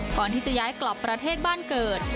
ก่อนที่จะย้ายกลับประเทศบ้านเกิด